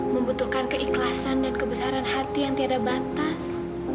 membutuhkan keikhlasan dan kebesaran hati yang tidak ada batas